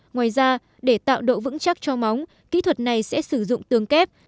ngoài ra để tạo độ vững chắc cho móng kỹ thuật này sẽ sử dụng tương kép